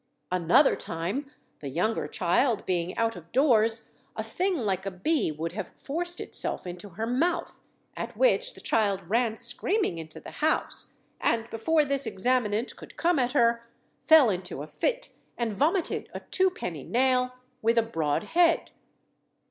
Another time the younger child, being out of doors, a thing like a bee would have forced itself into her mouth, at which the child ran screaming into the house, and before this examinant could come at her, fell into a fit, and vomited a twopenny nail, with a broad head.